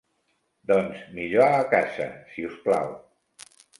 Doncs millor a casa, si us plau.